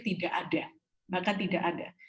tidak ada maka tidak ada